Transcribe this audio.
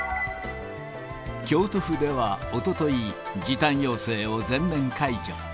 京都府ではおととい、時短要請を全面解除。